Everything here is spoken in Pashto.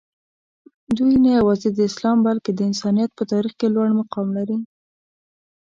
دوي نه یوازې د اسلام بلکې د انسانیت په تاریخ کې لوړ مقام لري.